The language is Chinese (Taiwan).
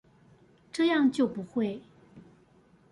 這樣就不會